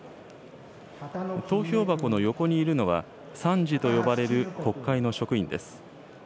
投票箱の横にいるのは参事と呼ばれる国会の職員です。